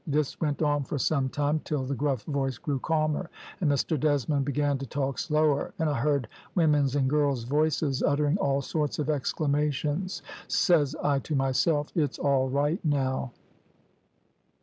This went on for some time, till the gruff voice grew calmer, and Mr Desmond began to talk slower, and I heard women's and girls' voices uttering all sorts of exclamations. Says I to myself, `It's all right now.'